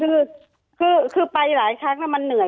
ค่ะคือคือไปหลายครั้งแล้วมันเหนื่อย